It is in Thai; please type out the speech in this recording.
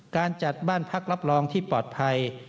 การจัดบ้านพักรับรองที่ปลอดภัย